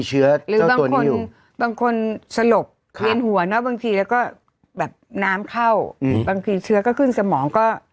หรือบางคนบางคนสลบเวียนหัวเนอะบางทีแล้วก็แบบน้ำเข้าบางทีเชื้อก็ขึ้นสมองก็